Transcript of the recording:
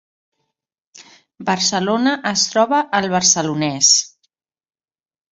Barcelona es troba al Barcelonès